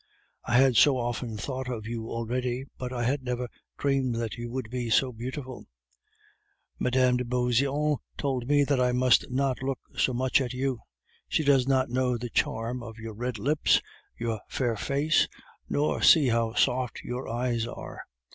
I had so often thought of you already, but I had never dreamed that you would be so beautiful! Mme. de Beauseant told me that I must not look so much at you. She does not know the charm of your red lips, your fair face, nor see how soft your eyes are....